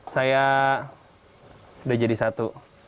saya sudah jadi satu